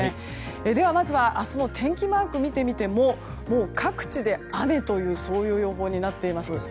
では、まずは明日の天気マークを見てみても各地で雨という予報になっています。